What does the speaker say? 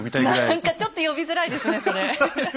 何かちょっと呼びづらいですねそれ。